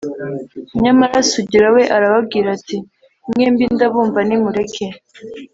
Nyamara Sugira we arababwira ati: “Mwembi ndabumva nimureke